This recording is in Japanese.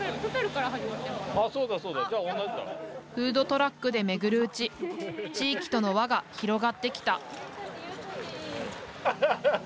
フードトラックで巡るうち地域との輪が広がってきたアハハハハ！